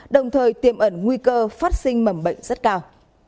đồng thời tiêm ẩn nguy cơ phát sinh mầm bệnh rất cao